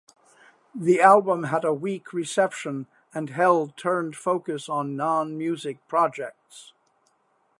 The album had a weak reception, and Hell turned focus on non-music projects.